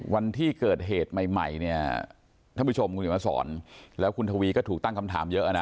วันที่เกิดเหตุใหม่ใหม่เนี่ยท่านผู้ชมคุณเห็นมาสอนแล้วคุณทวีก็ถูกตั้งคำถามเยอะนะ